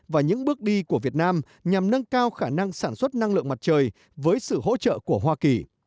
và những bước đi của việt nam nhằm nâng cao khả năng sản xuất năng lượng mặt trời với sự hỗ trợ của hoa kỳ